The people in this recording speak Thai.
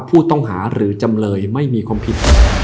ผู้ต้องหาหรือจำเลยไม่มีความผิด